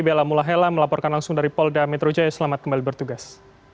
bella mulahela melaporkan langsung dari polda metro jaya selamat kembali bertugas